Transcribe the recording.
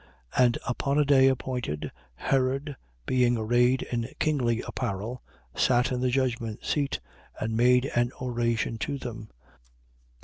12:21. And upon a day appointed, Herod being arrayed in kingly apparel, sat in the judgment seat and made an oration to them.